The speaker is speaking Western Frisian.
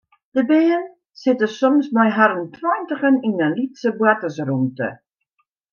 De bern sitte soms mei harren tweintigen yn in lytse boartersrûmte.